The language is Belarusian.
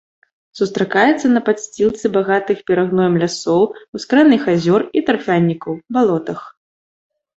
Сустракаецца на падсцілцы багатых перагноем лясоў, ускраінах азёр і тарфянікаў, балотах.